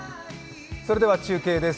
それでは中継です